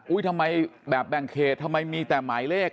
ทำไมแบบแบ่งเขตทำไมมีแต่หมายเลข